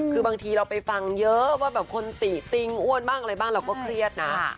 คือบางทีเราไปฟังเยอะว่าแบบคนติติงอ้วนบ้างอะไรบ้างเราก็เครียดนะ